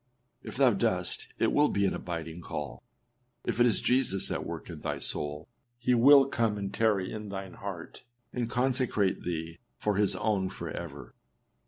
If thou dost, it will be an abiding call. If it is Jesus at work in thy soul, he will come and tarry in thine heart, and consecrate thee for his own forever.